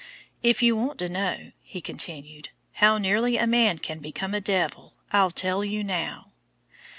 "If you want to know," he continued, "how nearly a man can become a devil, I'll tell you now."